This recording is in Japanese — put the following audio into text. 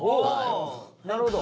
なるほど。